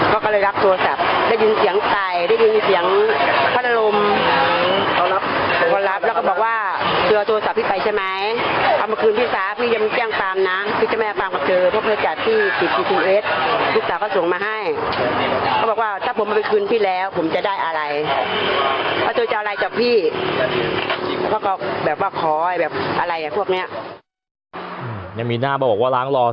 ก็ก็เลยรักโทรศัพท์ได้ยืนเสียงใจได้ยืนเสียงพันธ์โรมของคนรับแล้วก็บอกว่าเธอโทรศัพท์ที่ไปใช่ไหมเอามาคืนพี่สาพนี่ยังแก้งตามนะพี่จะไม่ฟังกับเธอเพราะเธอจ่ายพี่จีบจีบจีบเอ็ดพี่สาพก็ส่งมาให้ก็บอกว่าถ้าผมมาไปคืนพี่แล้วผมจะได้อะไรว่าเธอจะเอาอะไรจากพี่ก็ก็แบบว่าขอแบบอะไรอ่ะพวกเนี้ยยัง